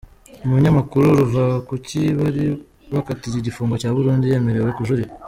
Umunyamakuru Ruvakuki bari bakatiye igifungo cya burundu yemerewe kujurira